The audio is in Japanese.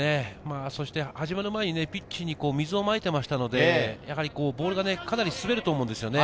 始まる前にピッチに水をまいていたので、ボールがかなり滑ると思うんですよね。